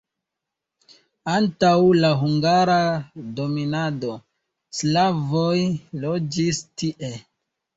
Antaŭ la hungara dominado slavoj loĝis tie.